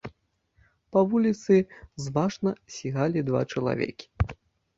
Па вуліцы зважна сігалі два чалавекі.